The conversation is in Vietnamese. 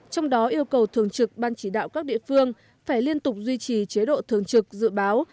trong đó yêu cầu thường trực ban chỉ đạo các địa phương phải liên tục duy trì chế độ thường trực dự báo